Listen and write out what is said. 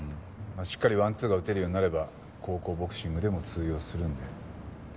まあしっかりワンツーが打てるようになれば高校ボクシングでも通用するんで。